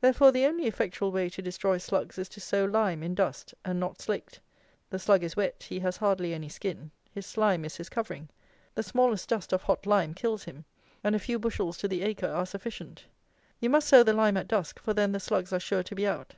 Therefore the only effectual way to destroy slugs is to sow lime, in dust, and not slaked. The slug is wet, he has hardly any skin, his slime is his covering; the smallest dust of hot lime kills him; and a few bushels to the acre are sufficient. You must sow the lime at dusk; for then the slugs are sure to be out.